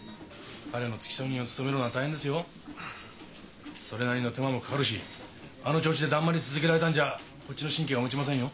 彼の付添人を務めるのは大変ですよ。それなりの手間もかかるしあの調子でだんまり続けられたんじゃこっちの神経がもちませんよ。